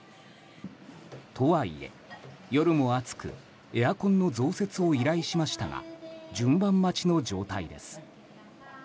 とはいえ、夜も暑くエアコンの増設を依頼しましたが順番待ちの状態です。